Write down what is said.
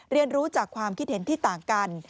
เรียนรู้จากความคิดเห็นที่ต่างกัน